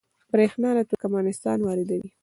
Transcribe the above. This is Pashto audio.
بریښنا له ترکمنستان واردوي